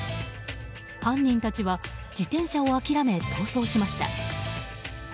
犯人たちは自転車を諦め逃走しました。